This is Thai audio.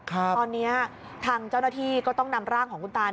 ตอนนี้ทางเจ้าหน้าที่ก็ต้องนำร่างของคุณตา